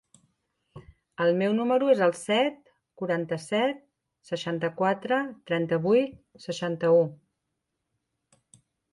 El meu número es el set, quaranta-set, seixanta-quatre, trenta-vuit, seixanta-u.